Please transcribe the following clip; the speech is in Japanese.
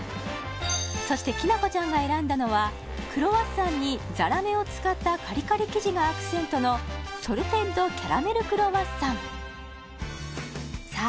そしてきなこちゃんが選んだのはクロワッサンにざらめを使ったカリカリ生地がアクセントのソルテッドキャラメルクロワッサンさあ